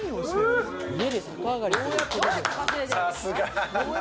さすが。